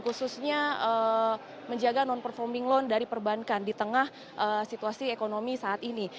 khususnya menjaga non performing loan dari perbankan di tengah situasi ekonomi saat ini